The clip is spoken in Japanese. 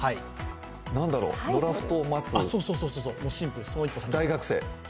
何だろう、ドラフトを待つ大学生？